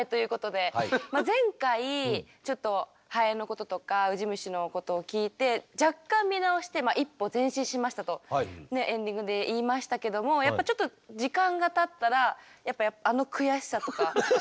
前回ちょっとハエのこととかウジ虫のことを聞いて若干見直して一歩前進しましたとエンディングで言いましたけどもやっぱちょっと時間がたったらやっぱりあの悔しさとか。